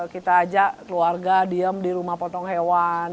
kita ajak keluarga diem di rumah potong hewan